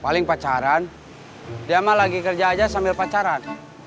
paling pacaran dia mah lagi kerja aja sambil pacaran